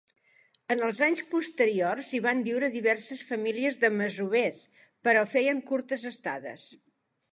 En els anys posteriors hi van viure diverses famílies de masovers, però feien curtes estades.